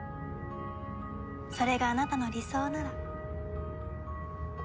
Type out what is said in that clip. それがあなたの理想なら。